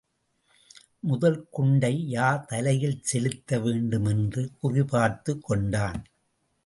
முதல் குண்டை யார் தலையில் செலுத்த வேண்டும் என்று குறிபார்த்துக் கொண்டான்.